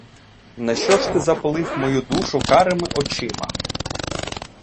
Нащо ж ти запалив мою душу карими очима?